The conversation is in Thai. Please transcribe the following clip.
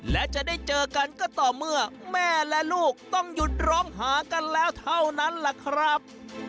และจะได้เจอกันก็ต่อเมื่อแม่และลูกต้องหยุดร้องหากันแล้วเท่านั้นแหละครับ